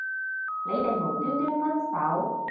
你哋無端端分手